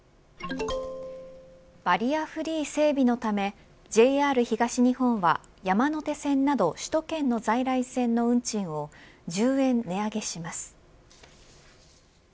バリアフリー整備のためＪＲ東日本は山手線など首都圏の在来線の運賃を１０円値上げします。